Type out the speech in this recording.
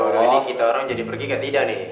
udah udah nih kita orang jadi pergi kayak tidak nih